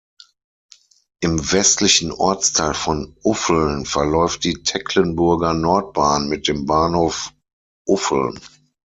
Im westlichen Ortsteil von Uffeln verläuft die Tecklenburger Nordbahn mit dem Bahnhof Uffeln.